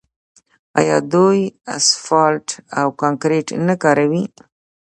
آیا دوی اسفالټ او کانکریټ نه کاروي؟